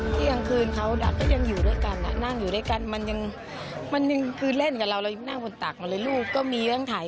แต่แฟนคือปีใหม่อยู่แล้วไง